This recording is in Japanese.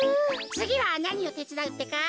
つぎはなにをてつだうってか？